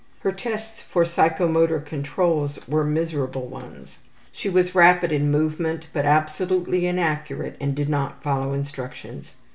Her tests for psychomotor control were miserably done. She was rapid in movement, but absolutely inaccurate and did not follow instructions.